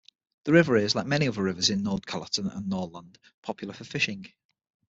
The river is, like many other rivers in Nordkalotten and Norrland, popular for fishing.